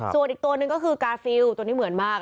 ส่วนอีกตัวหนึ่งก็คือกาฟิลตัวนี้เหมือนมาก